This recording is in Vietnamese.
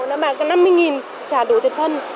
nó bán năm mươi đồng chả đủ tiền phân